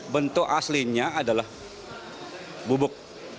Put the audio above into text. bentuk aslinya adalah bubuk